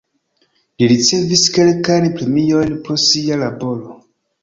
Li ricevis kelkajn premiojn pro sia laboro.